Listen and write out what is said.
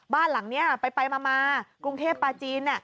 บ้านหลังนี้ไปมากรุงเทพปลาจีน